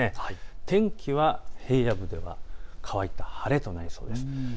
天気は平野部では乾いた晴れとなりそうです。